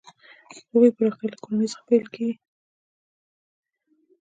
د هغو پراختیا له کورنۍ څخه پیل کیږي.